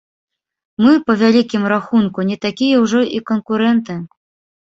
Мы, па вялікім рахунку, не такія ўжо і канкурэнты.